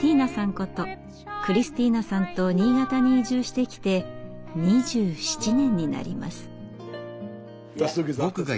ことクリスティーナさんと新潟に移住してきて２７年になります。